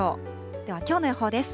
ではきょうの予報です。